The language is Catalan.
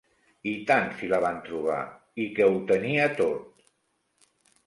I tant si la van trobar,, i que ho tenia tot